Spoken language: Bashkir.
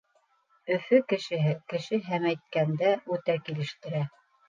Өфө кешеһе кеше һемәйткәндә үтә килештерә.